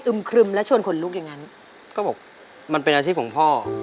ครึมและชวนขนลุกอย่างนั้นก็บอกมันเป็นอาชีพของพ่อ